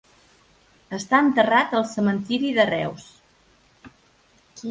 Està enterrat al Cementiri de Reus.